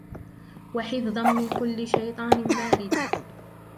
وَحِفْظًا مِنْ كُلِّ شَيْطَانٍ مَارِدٍ